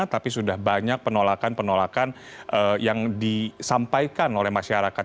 tapi sudah banyak penolakan penolakan yang disampaikan oleh masyarakat